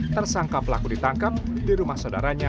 tersangka pelaku ditangkap di rumah saudaranya